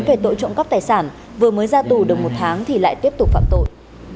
về tội trộm cắp tài sản vừa mới ra tù được một tháng thì lại tiếp tục phạm tội